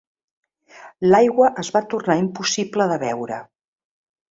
L'aigua es va tornar impossible de beure.